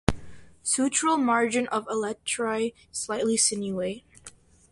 Sutural margin of elytra slightly sinuate.